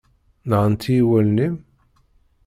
Nɣant-iyi wallen-im?